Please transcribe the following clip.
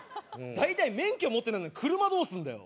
大体免許持ってないのに車どうすんだよ？